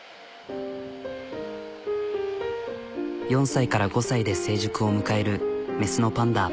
４歳から５歳で成熟を迎えるメスのパンダ。